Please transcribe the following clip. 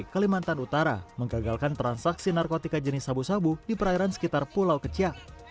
kalimantan utara menggagalkan transaksi narkotika jenis sabu sabu di perairan sekitar pulau kecil